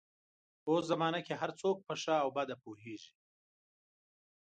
په اوس زمانه کې هر څوک په ښه او بده پوهېږي